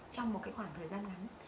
trong một khoảng thời gian ngắn